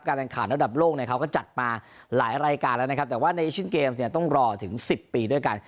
แรงขันระดับโลกเนี่ยเขาก็จัดมาหลายรายการแล้วนะครับแต่ว่าในเอเชียนเกมเนี่ยต้องรอถึง๑๐ปีด้วยกัน